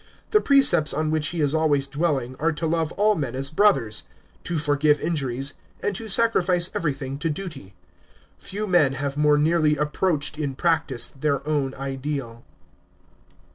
The precepts on which he is always dwelling are to love all men as brothers, to forgive injuries, and to sacrifice even thing to duty. Few men have more nearly approached in practice their own ideal.